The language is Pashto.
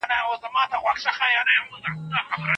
درمل مو هم بايد شريک وي.